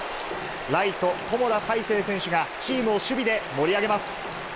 ライト、友田たいせい選手がチームを守備で盛り上げます。